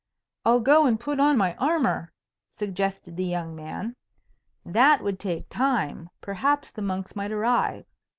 "I'll go and put on my armour," suggested the young man. That would take time; perhaps the monks might arrive.